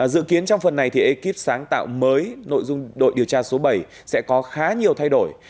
dự kiến trong phần này thì ekip sáng tạo mới nội dung đội điều tra số bảy sẽ có khá nhiều thay đổi